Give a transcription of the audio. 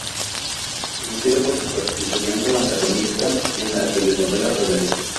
Conocida por su participación como antagonista en la telenovela "Rebelde".